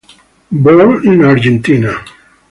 Born in Argentina.